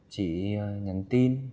chị nhắn tin